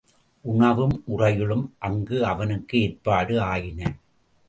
உணவும் உறையுளும் அங்கு அவனுக்கு ஏற்பாடு ஆயின.